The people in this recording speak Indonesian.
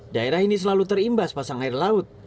daerah ini selalu terimbas pasang air laut